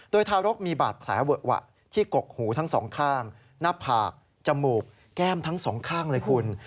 โดยทารกมีบาดแผลเวอะหวะที่กกหูทั้งสองข้างหน้าผากจมูกแก้มทั้งสองข้างเลยคุณ